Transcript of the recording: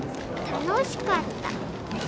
楽しかった。